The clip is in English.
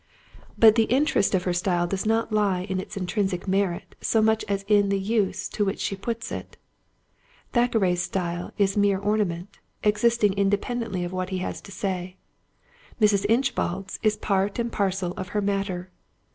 But the interest of her style does not lie in its intrinsic merit so much as in the use to which she puts it. Thackeray's style is mere ornament, existing independently of what he has to say; Mrs. Inchbald's is part and parcel of her matter.